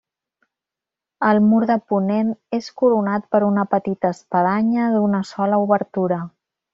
El mur de ponent és coronat per una petita espadanya d'una sola obertura.